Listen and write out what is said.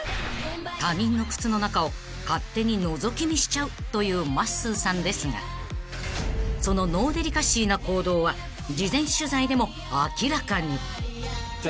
［他人の靴の中を勝手にのぞき見しちゃうというまっすーさんですがそのノーデリカシーな行動は事前取材でも明らかに］